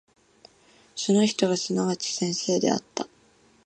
その人がすなわち先生であった。